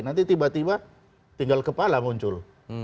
nanti tiba tiba tinggal kepala muncul